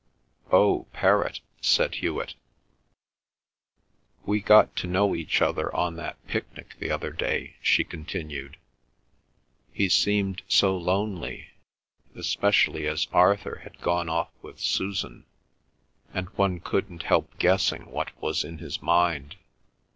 "Oh, Perrott," said Hewet. "We got to know each other on that picnic the other day," she continued. "He seemed so lonely, especially as Arthur had gone off with Susan, and one couldn't help guessing what was in his mind.